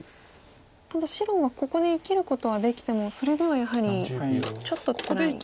ただ白はここで生きることはできてもそれではやはりちょっとつらい。